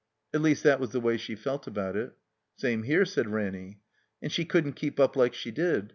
At least that was the way she felt about it. ('' Same here, '* said Ranny.) And she couldn't keep up like she did.